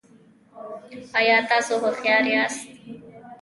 ایا تاسو هوښیار یاست؟